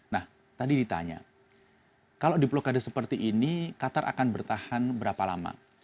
nah tadi ditanya kalau diplokade seperti ini qatar akan bertahan berapa lama